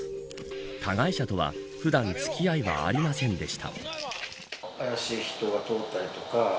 加害者とは普段付き合いはありませんでした。